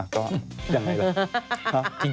ก็ยังไงล่ะ